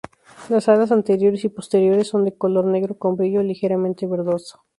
Las alas anteriores y posteriores son de color negro con brillo ligeramente verdoso.